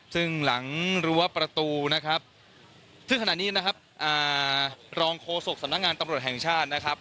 ซึ่งหลังรั้วประตูนะครับซึ่งขณะนี้นะครับรองโฆษกสำนักงานตำรวจแห่งชาตินะครับ